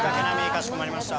かしこまりました。